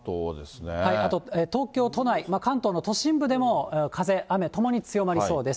東京都内、関東の都心部でも風、雨ともに強まりそうです。